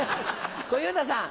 小遊三さん。